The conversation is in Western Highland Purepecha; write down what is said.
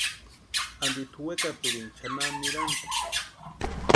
Anti tʼu wekapirini chʼanani nirani.